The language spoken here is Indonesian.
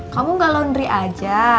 kamu nggak laundry aja